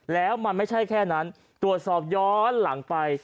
แล้วมันไม่ใช่แค่นั้นตรวจสอบย้อนหลังไป